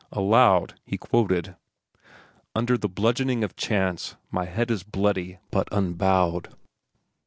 Aloud, he quoted: "'Under the bludgeoning of Chance My head is bloody but unbowed.